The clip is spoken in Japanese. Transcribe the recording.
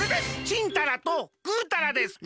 チンタラとグータラです。